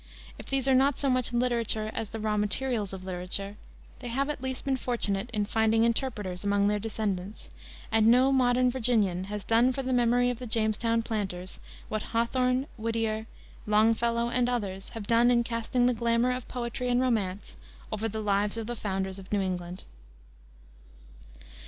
If these are not so much literature as the raw materials of literature, they have at least been fortunate in finding interpreters among their descendants, and no modern Virginian has done for the memory of the Jamestown planters what Hawthorne, Whittier, Longfellow, and others have done in casting the glamour of poetry and romance over the lives of the founders of New England.